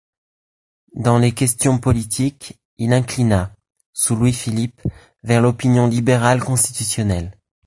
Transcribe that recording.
Dans les questions politiques, il inclina, sous Louis-Philippe, vers l'opinion libérale constitutionnelle.